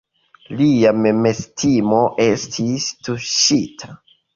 Lia memestimo estis tuŝita.